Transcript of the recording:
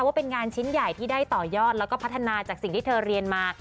ว่าเป็นงานชิ้นใหญ่ที่ได้ต่อยอดแล้วก็พัฒนาจากสิ่งที่เธอเรียนมา